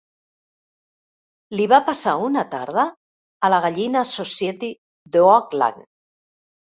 Li va passar una tarda a la Gallina Society d'Oakland.